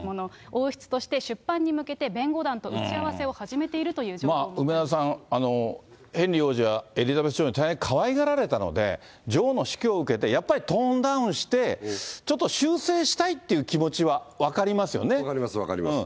王室として出版に向けて弁護団と打ち合わせを始めているという情梅沢さん、ヘンリー王子はエリザベス女王に大変かわいがられたので、女王の死去を受けて、やっぱりトーンダウンして、ちょっと修正したいっ分かります、分かります。